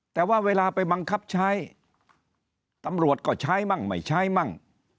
แต่ว่าเวลาไปบังคับใช้ตำรวจก็ใช้มั่งไม่ใช้มั่ง